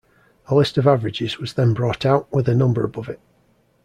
A list of averages was then brought out, with a number above it.